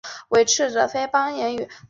据说系汉末三国时袁绍之墓。